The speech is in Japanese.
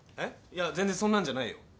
いや全然そんなんじゃないよ。